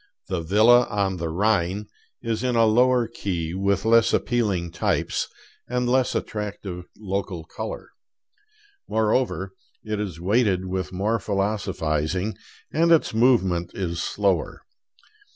'The Villa on the Rhine' is in a lower key, with less appealing types, and less attractive local color. Moreover, it is weighted with more philosophizing, and its movement is slower.